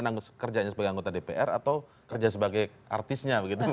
ini mentingin kemudian kerjanya sebagai anggota dpr atau kerja sebagai artisnya begitu